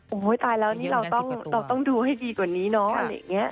โอ้โหตายแล้วนี่เราต้องดูให้ดีกว่านี้เนาะอะไรอย่างนี้